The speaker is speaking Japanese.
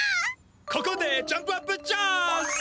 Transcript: ここでジャンプアップチャンス！